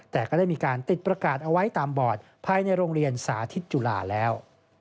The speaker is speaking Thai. แต่ก็ได้มีการติดประกาศเอาไว้ตามบอร์ดภายในโรงเรียนสาธิตจุฬาแล้ว